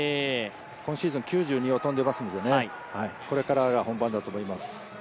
今シーズン９２を跳んでいますので、これからが本番だと思います。